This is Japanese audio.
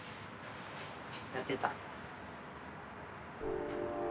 やってた。